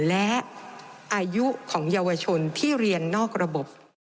และอายุของเยาวชนที่เรียนนอกระบบ